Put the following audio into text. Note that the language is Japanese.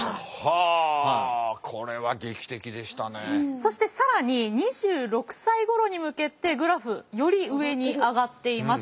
そして更に２６歳ごろに向けてグラフより上に上がっています。